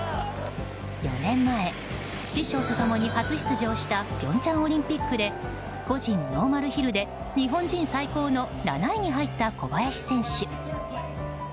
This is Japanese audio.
４年前、師匠と共に初出場した平昌オリンピックで個人ノーマルヒルで日本人最高の７位に入った小林選手。